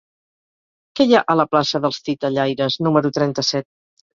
Què hi ha a la plaça dels Titellaires número trenta-set?